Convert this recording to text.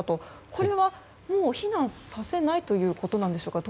これはもう避難させないということなのでしょうか。